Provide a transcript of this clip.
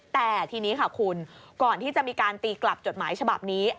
แต่ทีนี้ค่ะคุณก่อนที่จะมีการตีกลับจดหมายฉบับนี้